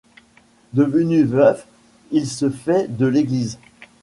Devenu veuf il se fait de l'église.